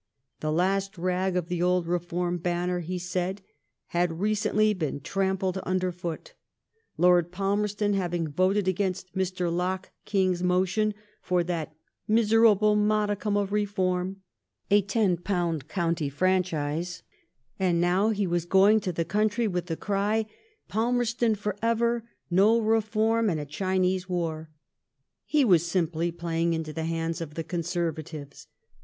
The last rag of the old reform banner, he said, had recently been trampled nnder foot. Lord Palmerston having voted against Mr. Locke King's motion for that '' miserable modicum of reform/' a £10 county franchise; and now he was going to the country with the cry, '^ Palmerston for ever ! No reform ! and a Chinese war !'^ He was simply playing into the hands of the Conservatives.